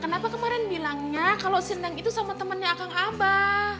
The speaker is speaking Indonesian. kenapa kemarin bilangnya kalau si neng itu sama temennya akang abah